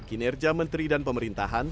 kinerja menteri dan pemerintahan